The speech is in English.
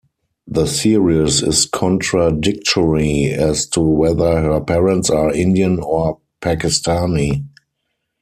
The series is contradictory as to whether her parents are Indian or Pakistani.